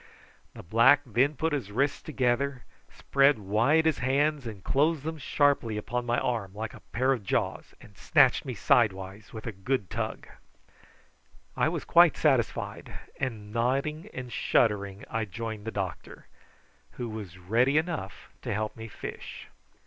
The black then put his wrists together, spread wide his hands, and closed them sharply upon my arm like a pair of jaws, and snatched me sidewise with a good tug. I was quite satisfied, and nodding and shuddering I joined the doctor, who was ready enough to help me fish.